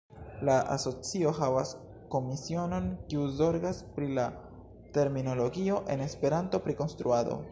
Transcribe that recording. La asocio havas komisionon kiu zorgas pri la terminologio en Esperanto pri konstruado.